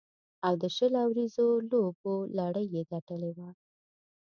او د شل اوریزو لوبو لړۍ یې ګټلې وه.